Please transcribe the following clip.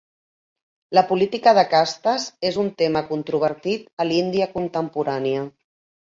La política de castes és un tema controvertit a l'Índia contemporània.